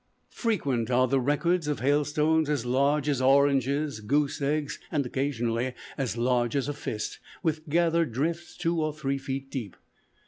Frequent are the records of hailstones as large as oranges, goose eggs, and occasionally as large as a fist, with gathered drifts two or three feet deep.